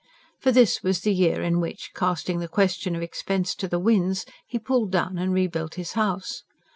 For this was the year in which, casting the question of expense to the winds, he pulled down and rebuilt his house.